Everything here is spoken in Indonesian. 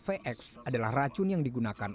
vx adalah racun yang digunakan